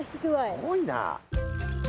すごいな。